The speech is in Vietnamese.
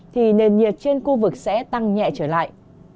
thì nền nhiệt trên khu vực sẽ tăng nhẹ trở lại